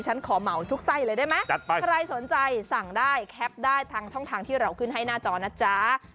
ฉันขอเหมาทุกไส้เลยได้ไหมใครสนใจสั่งได้แคปได้ทางช่องทางที่เราขึ้นให้หน้าจอนะจ๊ะ